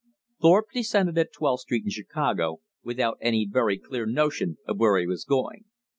Thorpe descended at Twelfth Street in Chicago without any very clear notion of where he was going.